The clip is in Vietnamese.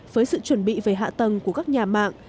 với sự chuẩn bị về hạ tầng của các nhà mạng